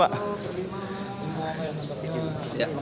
baru doorstop lagi pak